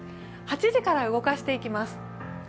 ８時から動かしていきます。